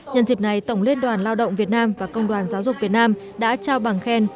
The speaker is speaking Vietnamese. nhân dịp này tổng liên đoàn lao động việt nam và công đoàn giáo dục việt nam đã trao bằng khen